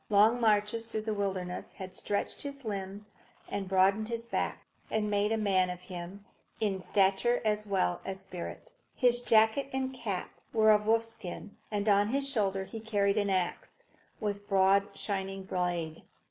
Long marches through the wilderness had stretched his limbs and broadened his back, and made a man of him in stature as well as in spirit. His jacket and cap were of wolfskin, and on his shoulder he carried an axe, with broad, shining blade.